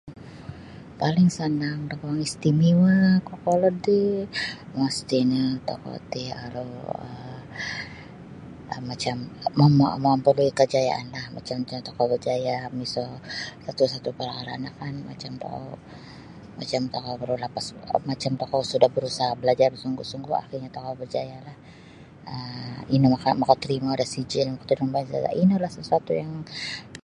Paling sanang da guang istimewa kokolod ti mesti nio tokou ti aru um macam mamua buli kejayaanlah macam tokou berjaya miso satu-satu perkara no kan macam tokou baru lapas macam tokou sudah berusaha belajar bersungguh-sungguh akhirnyo tokou berjayalah um ino makatorimo da sijil makatarimo da sijil inolah sesuatu yang.